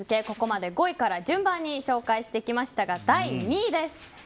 ここまで５位から順番に紹介してきましたが、第２位です。